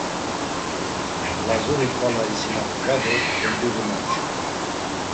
Lazuri xvala isinapi ya do tembiği momçu.